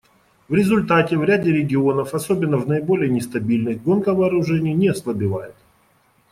В результате в ряде регионов, особенно в наиболее нестабильных, гонка вооружений не ослабевает.